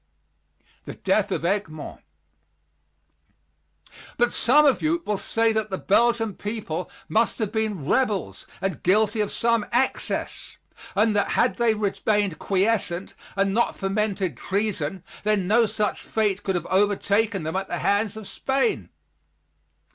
THE DEATH OF EGMONT But some of you will say that the Belgian people must have been rebels and guilty of some excess, and that had they remained quiescent, and not fomented treason, that no such fate could have overtaken them at the hands of Spain.